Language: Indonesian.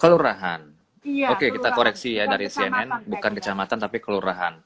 kelurahan oke kita koreksi ya dari cnn bukan kecamatan tapi kelurahan